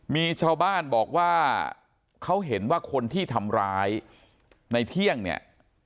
มีชาวบ้านบอกว่าเขาเห็นว่าคนที่ทำร้ายในเที่ยงเนี่ย